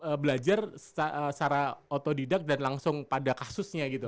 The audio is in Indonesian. mereka belajar secara otodidak dan langsung pada kasusnya gitu